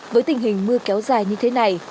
với tình hình mưa kéo dài như thế này